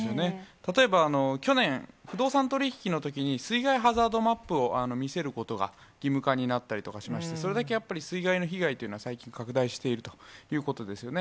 例えば、去年、不動産取り引きのときに水害ハザードマップを見せることが義務化になったりとかしまして、それだけやっぱり水害の被害というのは最近、拡大しているということですよね。